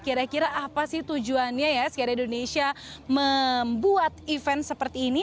kira kira apa sih tujuannya ya sekarang indonesia membuat event seperti ini